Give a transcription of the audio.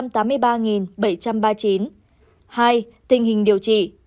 hai tình hình điều trị